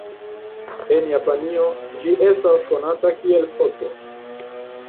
En Japanio, ĝi estas konata kiel Soto.